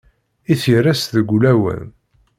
I tyerras deg ulawen.